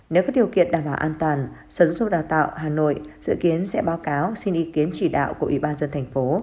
nếu có điều kiện đảm bảo an toàn sở giáo dục đào tạo hà nội dự kiến sẽ báo cáo xin ý kiến chỉ đạo của ủy ban dân thành phố